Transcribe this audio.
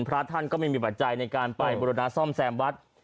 พระท่านก็ไม่มีปัจจัยในการไปบุรณาซ่อมแซมวัด